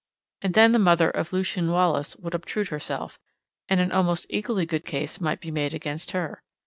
And then the mother of Lucien Wallace would obtrude herself, and an almost equally good case might be made against her.